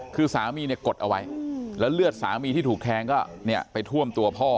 คือสามีเนี่ยกดเอาไว้แล้วเลือดสามีที่ถูกแทงก็เนี่ยไปท่วมตัวพ่อ